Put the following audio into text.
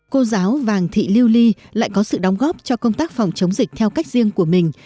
cô giáo vàng thị liêu ly lại có sự đóng góp cho công tác phòng chống dịch theo cách riêng của mình